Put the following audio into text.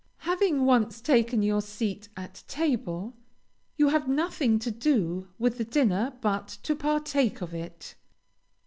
Having once taken your seat at table, you have nothing to do with the dinner but to partake of it.